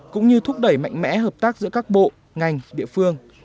cũng như thúc đẩy mạnh mẽ hợp tác giữa các bộ ngành địa phương